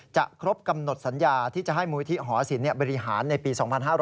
จะครบกำหนดสัญญาที่จะให้มูลที่หอสินบริหารในปี๒๕๖๔